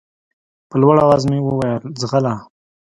په لوړ اواز مې وويل ځغله.